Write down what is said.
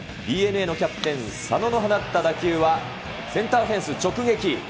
ＤｅＮＡのキャプテン、佐野の放った打球は、センターフェンス直撃。